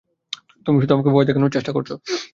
তুমি শুধু আমাকে ভয় দেখানোর চেষ্টা করছ।